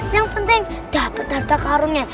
yang penting dapat harta karunnya